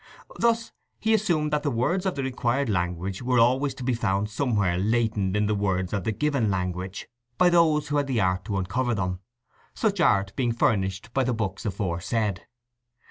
Thus he assumed that the words of the required language were always to be found somewhere latent in the words of the given language by those who had the art to uncover them, such art being furnished by the books aforesaid.